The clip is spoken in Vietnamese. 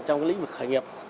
trong lĩnh vực khởi nghiệp